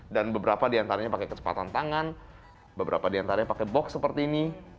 dan beberapa diantaranya pakai kecepatan tangan beberapa diantaranya pakai box seperti ini